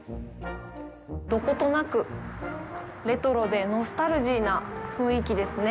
どことなくレトロでノスタルジーな雰囲気ですね。